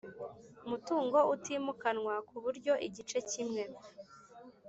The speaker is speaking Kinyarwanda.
Mutungo utimukanwa ku buryo igice kimwe